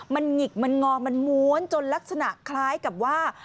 มันหงิกมันงอมันม้วนจนลักษณะคล้ายกับว่า